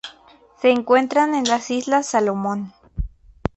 Se encuentran en las Islas Salomón.